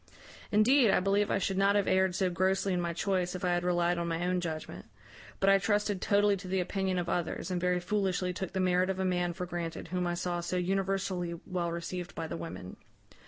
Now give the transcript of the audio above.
Indeed, I believe I should not have erred so grossly in my choice if I had relied on my own judgment; but I trusted totally to the opinion of others, and very foolishly took the merit of a man for granted whom I saw so universally well received by the women.